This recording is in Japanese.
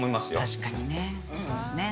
確かにね。